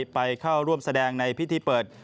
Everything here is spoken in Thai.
ไปเข้าร่วมแสดงในพิธีเปิด